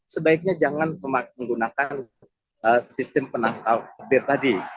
sebaiknya jangan menggunakan sistem penangkal petir tadi